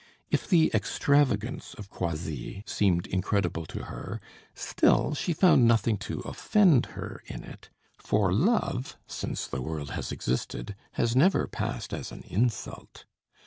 If the extravagance of Croisilles seemed incredible to her, still she found nothing to offend her in it; for love, since the world has existed, has never passed as an insult.